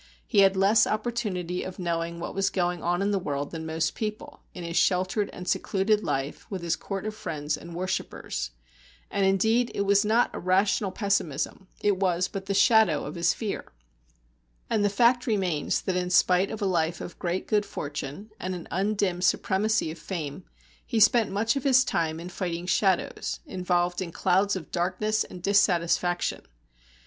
He had less opportunity of knowing what was going on in the world than most people, in his sheltered and secluded life, with his court of friends and worshippers. And indeed it was not a rational pessimism; it was but the shadow of his fear. And the fact remains that in spite of a life of great good fortune, and an undimmed supremacy of fame, he spent much of his time in fighting shadows, involved in clouds of darkness and dissatisfaction.